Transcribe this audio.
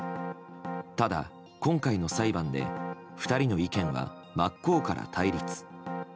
ただ、今回の裁判で２人の意見は真っ向から対立。